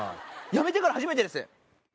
辞めてから初めてです。